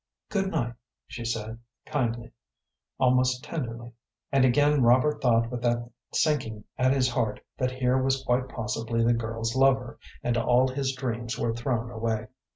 "Good night," she said, kindly, almost tenderly, and again Robert thought with that sinking at his heart that here was quite possibly the girl's lover, and all his dreams were thrown away.